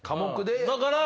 だから。